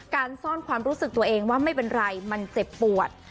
การซ่อนความรู้สึกตัวเองว่าไม่เป็นไรมันเจ็บปวด